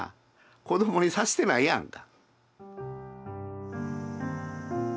子どもにさせてないやんか。